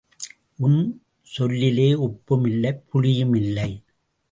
உன் சொல்லிலே உப்பும் இல்லை புளியும் இல்லை.